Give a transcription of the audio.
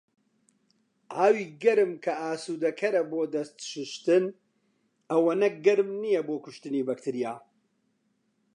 ئاوی گەرم کە ئاسودەکەرە بۆ دەست شوشتن ئەوەنە گەورم نیە بۆ کوشتنی بەکتریا.